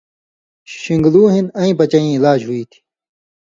شِݩگلو ہِن اَيں پچَئیں علاج ہُوئ تھی